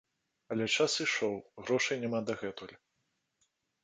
Але час ішоў, грошай няма дагэтуль.